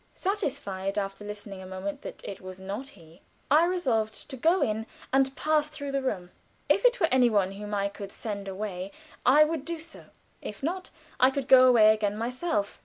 Satisfied, after listening a moment, that it was not he, I resolved to go in and pass through the room. If it were any one whom I could send away I would do so, if not, I could go away again myself.